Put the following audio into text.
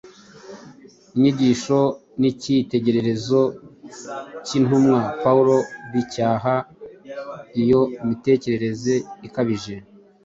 Inyigisho n’icyitegererezo by’intumwa Pawulo bicyaha iyo mitekerereze ikabije.